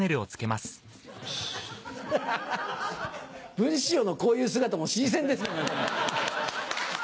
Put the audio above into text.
文枝師匠のこういう姿も新鮮ですね。